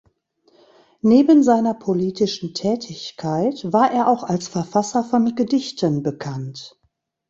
Neben seiner politischen Tätigkeit war er auch als Verfasser von Gedichten bekannt.